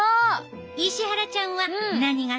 石原ちゃんは何が好き？